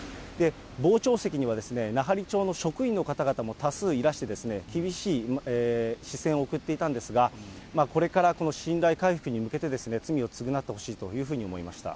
傍聴席には奈半利町の職員の方々も多数いらして、厳しい視線を送っていたんですが、これから信頼回復に向けて、罪を償ってほしいというふうに思いました。